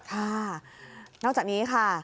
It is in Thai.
ค่ะนอกจากนี้ค่ะ